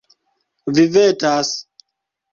Vi vetas.